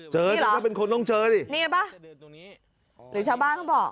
เจอถ้าเป็นคนต้องเจอสิจะเดินตรงนี้หรือชาวบ้านต้องบอก